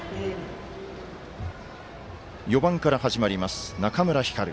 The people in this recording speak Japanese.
４番から始まります、中村光琉。